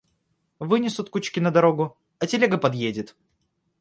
Вынесут кучки на дорогу, а телега подъедет.